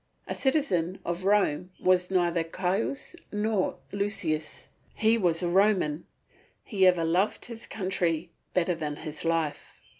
A citizen of Rome was neither Caius nor Lucius, he was a Roman; he ever loved his country better than his life.